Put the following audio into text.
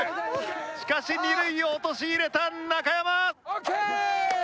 しかし二塁を陥れた中山！